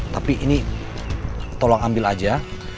tapi ini tolong ambil aja